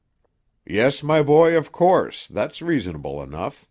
"Yes, my boy, of course, that's reasonable enough.